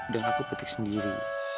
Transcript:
dan aku petik sendiri